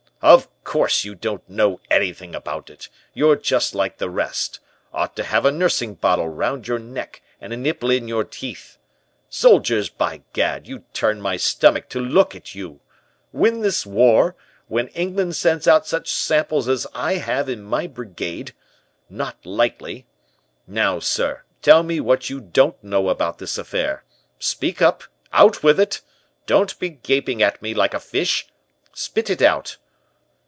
"'Of course you don't know anything about it. You're just like the rest. Ought to have a nursing bottle around your neck, and a nipple in your teeth. Soldiers, by gad, you turn my stomach to look at you. Win this war, when England sends out such samples as I have in my Brigade! Not likely! Now, sir, tell me what you don't know about this affair. Speak up, out with it. Don't be gaping at me like a fish. Spit it out.'